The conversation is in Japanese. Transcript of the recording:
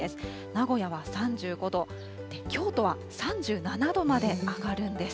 名古屋は３５度、京都は３７度まで上がるんです。